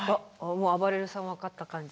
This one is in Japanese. もうあばれるさん分かった感じ。